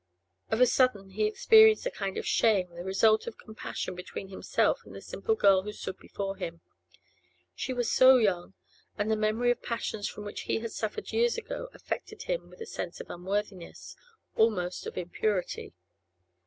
Of a sudden he experienced a kind of shame, the result of comparison between himself and the simple girl who stood before him; she was so young, and the memory of passions from which he had suffered years ago affected him with a sense of unworthiness, almost of impurity.